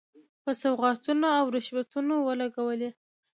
په سوغاتونو او رشوتونو ولګولې.